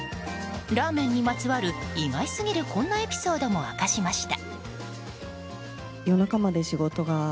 ラーメンにまつわる意外すぎるこんなエピソードも明かしました。